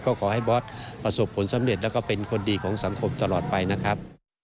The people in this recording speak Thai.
ก็ขอให้บอสประสบผลสำเร็จแล้วก็เป็นคนดีของสังคมตลอดไปนะครับ